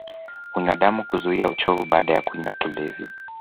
Hunywa damu kuzuia uchovu baada ya kunywa kilevi